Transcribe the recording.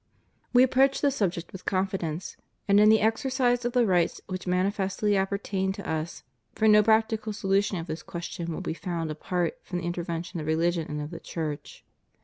We approach the subject with confidence, and in the exercise of the rights which manifestly appertain to us, for no practical solution of this question will be found apart from the intervention of Religion and of the Church.